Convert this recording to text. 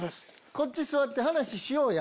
こっち座って話しようや。